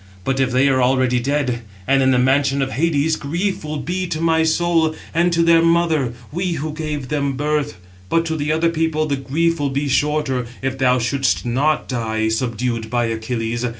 But if they are already dead, and in the mansions of Hades, grief will be to my soul, and to their mother, we who gave them birth. But to the other people the grief will be shorter, if thou shouldst not die, subdued by Achilles.